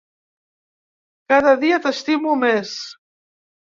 Cada dia t’estimo més.